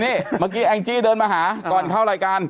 นี่เมื่อกี้แองจี้เดินมาหาก่อนเข้ารายการ